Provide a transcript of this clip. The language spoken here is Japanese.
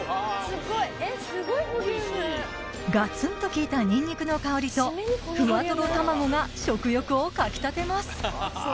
すごいボリュームガツンときいたニンニクの香りとふわとろ卵が食欲をかき立てます！